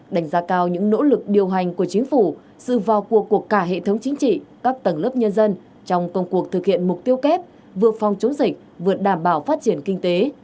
đánh giá cao những nỗ lực điều hành của chính phủ sự vào cuộc của cả hệ thống chính trị các tầng lớp nhân dân trong công cuộc thực hiện mục tiêu kép vừa phòng chống dịch vừa đảm bảo phát triển kinh tế